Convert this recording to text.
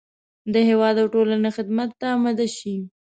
د هېواد او ټولنې خدمت ته اماده شي.